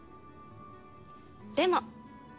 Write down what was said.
でも。